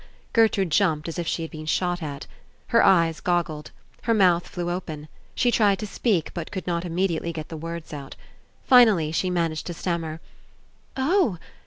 Gertrude jumped as if she had been shot at. Her eyes goggled. Her mouth flew open. She tried to speak, but could not imme diately get the words out. Finally she managed to stammer: "Oh!